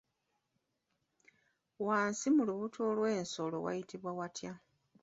Wansi mu lubuto lw'ensolo wayitibwa watya?